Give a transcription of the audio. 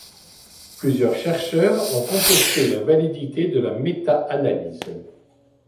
Plusieurs chercheurs ont contesté la validité de la méta-analyse.